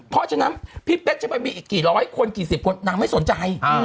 เพราะฉะนั้นพี่เป๊กจะไปมีอีกกี่ร้อยคนกี่สิบคนนางไม่สนใจ